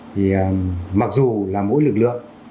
thì mặc dù là mỗi lực lượng